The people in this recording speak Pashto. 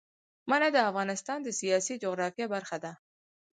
منی د افغانستان د سیاسي جغرافیه برخه ده.